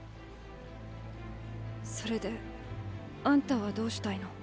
それであんたはどうしたいの？